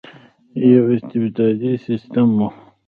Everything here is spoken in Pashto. یو استبدادي سسټم وو.